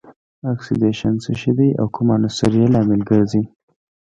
اکسیدیشن څه شی دی او کوم عنصر یې لامل ګرځي؟